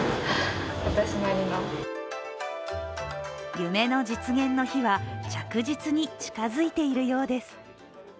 夢の実現の日は、着実に近付いているようです。